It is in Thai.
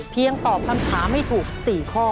เพียงตอบคำถามไม่ถูก๔ข้อ